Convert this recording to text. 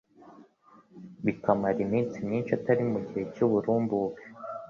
bikamara iminsi myinshi atari mu gihe cy'uburumbuke,